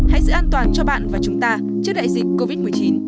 hãy giữ an toàn cho bạn và chúng ta trước đại dịch covid một mươi chín